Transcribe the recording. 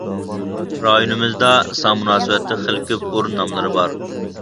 رايونىمىزدا ساڭغا مۇناسىۋەتلىك خىلى كۆپ ئورۇن ناملىرى بار.